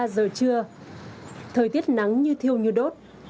một mươi ba giờ trưa thời tiết nắng như thiêu như đốt